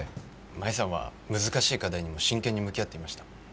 舞さんは難しい課題にも真剣に向き合っていました。